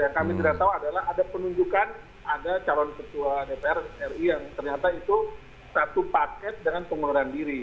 yang kami tidak tahu adalah ada penunjukan ada calon ketua dpr ri yang ternyata itu satu paket dengan pengunduran diri